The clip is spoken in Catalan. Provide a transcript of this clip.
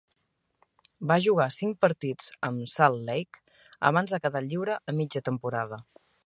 Va jugar cinc partits amb Salt Lake abans de quedar lliure a mitja temporada.